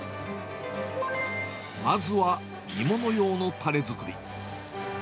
まずは煮物用のたれ作り。